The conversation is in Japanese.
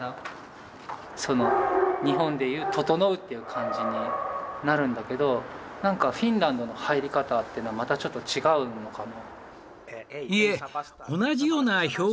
日本で言うととのうっていう感じになるんだけど何かフィンランドの入り方っていうのはまたちょっと違うのかな？